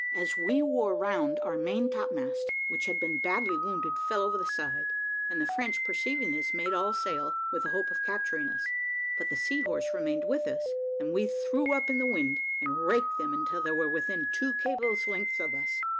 As we wore round, our main topmast, which had been badly wounded, fell over the side, and the French perceiving this, made all sail, with the hope of capturing us; but the Sea horse remained with us, and we threw up in the wind, and raked them until they were within two cables' length of us.